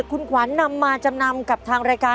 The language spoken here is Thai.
คุณขวัญนำมาจำนำกับทางรายการ